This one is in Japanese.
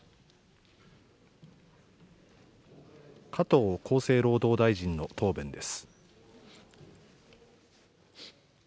加藤厚生労働大臣の答弁です。